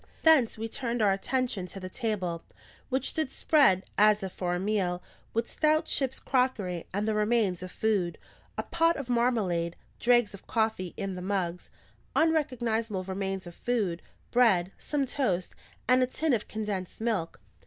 Thence we turned our attention to the table, which stood spread, as if for a meal, with stout ship's crockery and the remains of food a pot of marmalade, dregs of coffee in the mugs, unrecognisable remains of foods, bread, some toast, and a tin of condensed milk.